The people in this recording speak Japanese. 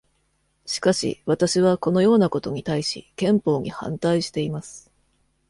しかし、私は、このようなことに対し、憲法に反対しています。